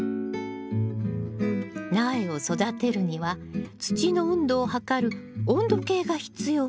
苗を育てるには土の温度を測る温度計が必要ね。